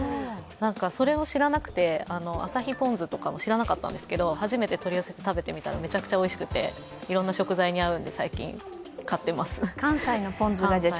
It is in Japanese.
それを知らなくて、あさひポン酢とか知らなくて初めて取り寄せて食べてみたらめちゃくちゃおいしくて、いろんな食材に合うので買っています。